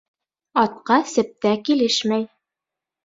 Атҡа септә килешмәй.